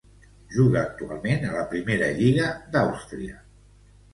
Juga actualment a la Primera Lliga d'Àustria.